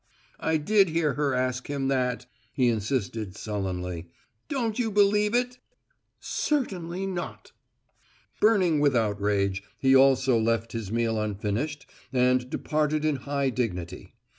"I did hear her ask him that," he insisted, sullenly. "Don't you believe it?" "Certainly not!" Burning with outrage, he also left his meal unfinished and departed in high dignity.